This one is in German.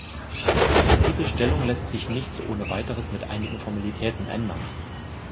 Diese Stellung lässt sich nicht so ohne Weiteres mit einigen Formalitäten ändern.